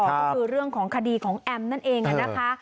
ก็คือเรื่องของคดีของแอมนั่นเองนะคะ